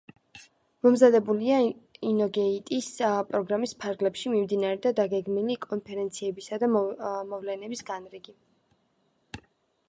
მომზადებულია ინოგეიტის პროგრამის ფარგლებში მიმდინარე და დაგეგმილი კონფერენციებისა და მოვლენების განრიგი.